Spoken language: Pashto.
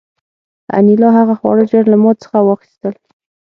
انیلا هغه خواړه ژر له ما څخه واخیستل